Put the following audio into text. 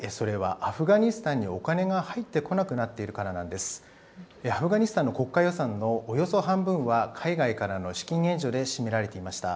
アフガニスタンの国家予算のおよそ半分は海外からの資金援助で占められていました。